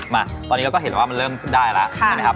มาตอนนี้เราก็เห็นแล้วว่ามันเริ่มได้แล้ว